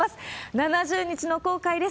７０日の航海です。